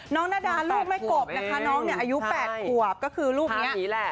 น้องนาดาลูกไม่กบนะคะน้องเนี่ยอายุ๘ขวบ